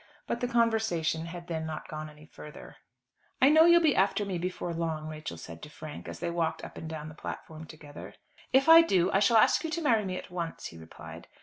But the conversation then had not gone any further. "I know you'll be after me before long," Rachel said to Frank, as they walked up and down the platform together. "If I do, I shall ask you to marry me at once," he replied.